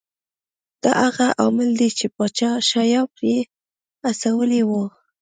دا هغه عامل دی چې پاچا شیام یې هڅولی و.